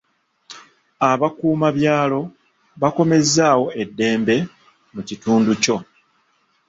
Abukuuma byalo bakomezzaawo eddembe mu kitundu kyo.